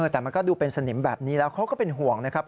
แต่มันก็ดูเป็นสนิมแบบนี้แล้วเขาก็เป็นห่วงนะครับ